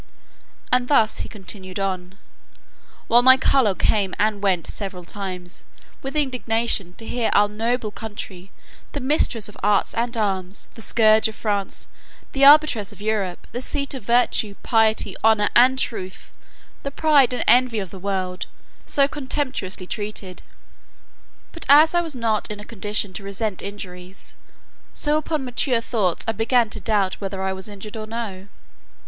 And thus he continued on, while my colour came and went several times, with indignation, to hear our noble country, the mistress of arts and arms, the scourge of France, the arbitress of Europe, the seat of virtue, piety, honour, and truth, the pride and envy of the world, so contemptuously treated. But as I was not in a condition to resent injuries, so upon mature thoughts I began to doubt whether I was injured or no.